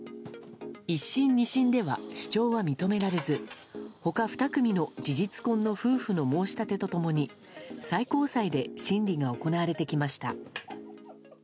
１審２審では主張は認められず他２組の事実婚の夫婦の申し立てと共に最高裁で審理が行われてきました。